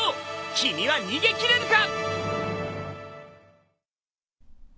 君は逃げ切れるか！？